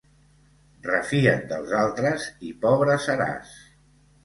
Refia't dels altres i pobre seràs.